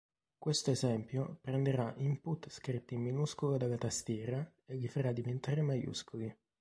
Questo esempio prenderà input scritti in minuscolo dalla tastiera e li farà diventare maiuscoli.